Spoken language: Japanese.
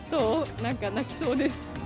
なんか泣きそうです。